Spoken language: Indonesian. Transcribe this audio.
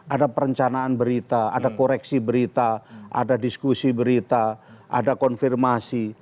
ada perencanaan berita ada koreksi berita ada diskusi berita ada konfirmasi